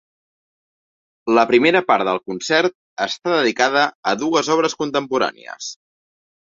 La primera part del concert està dedicada a dues obres contemporànies.